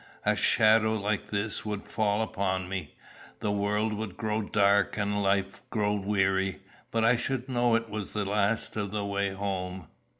_ A. shadow like this would fall upon me; the world would grow dark and life grow weary; but I should know it was the last of the way home.